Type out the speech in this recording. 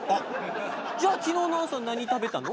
じゃあ昨日の朝何食べたの？